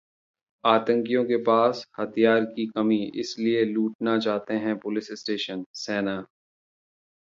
आतंकियों के पास हथियारों की कमी, इसलिए लूटना चाहते हैं पुलिस स्टेशन: सेना